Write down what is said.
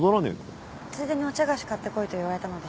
ついでにお茶菓子買ってこいと言われたので。